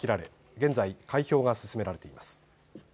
現在、開票が進められています。